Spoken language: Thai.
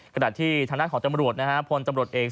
ขณะที่ธนาคต์ของตำรวจพลตำรวจเอง